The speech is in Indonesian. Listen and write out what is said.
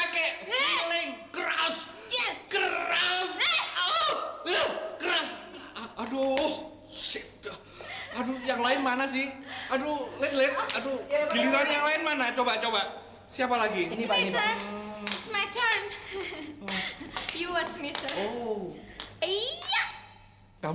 kalau itu namanya lucy pak